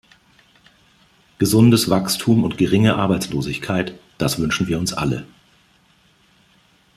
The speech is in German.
Gesundes Wachstum und geringe Arbeitslosigkeit, das wünschen wir uns alle!